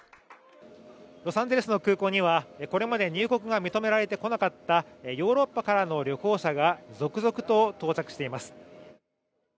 ロサンゼルスの空港にはこれまで入国が認められてこなかったヨーロッパからの旅行者が続々と到着しています。